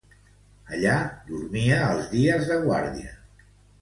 Allà, dormia els dies de guàrdia.